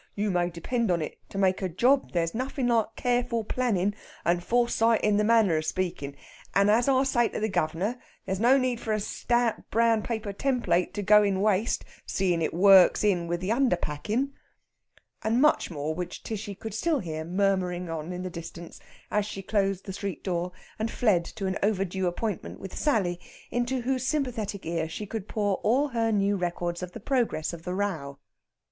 You may depend on it, to make a job there's nothin' like careful plannin', and foresight in the manner of speakin'. And, as I say to the guv'nor, there's no need for a stout brown paper template to go to waste, seein' it works in with the under packin'." And much more which Tishy could still hear murmuring on in the distance as she closed the street door and fled to an overdue appointment with Sally, into whose sympathetic ear she could pour all her new records of the progress of the row.